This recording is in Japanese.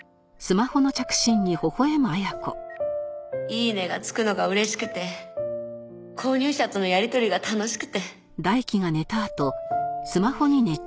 「イイネ！」がつくのが嬉しくて購入者とのやりとりが楽しくて。